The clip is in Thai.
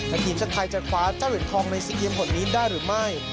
และทีมชาติไทยจะคว้าเจ้าเหรียญทองใน๔เกมผลนี้ได้หรือไม่